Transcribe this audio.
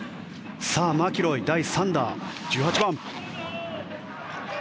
マキロイ第３打、１８番。